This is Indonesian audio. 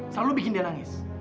selalu bikin dia nangis